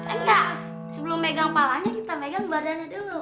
enggak sebelum megang palanya kita megang badannya dulu